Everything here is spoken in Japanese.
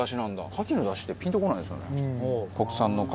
牡蠣のだしってピンとこないですよね。